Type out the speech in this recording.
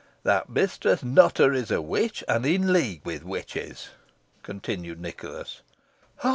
"That Mistress Nutter is a witch, and in league with witches," continued Nicholas.